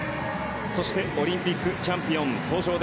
そしてオリンピックチャンピオン登場。